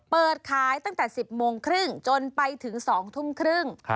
เปิดขายตั้งแต่๑๐โมงครึ่งจนไปถึง๒ทุ่มครึ่ง